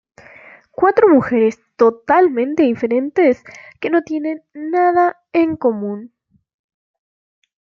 Cuatro mujeres totalmente diferentes, que no tienen nada en común.